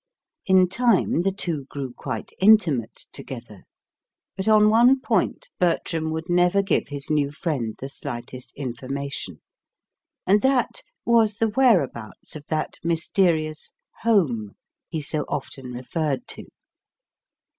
In time the two grew quite intimate together. But on one point Bertram would never give his new friend the slightest information; and that was the whereabouts of that mysterious "home" he so often referred to.